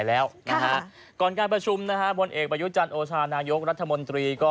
แล้วก็ตามแฮชแท็กได้ตู่ดิจิทัลแบบนี้